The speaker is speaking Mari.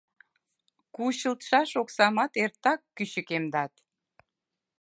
Кучылтшаш оксамат эртак кӱчыкемдат.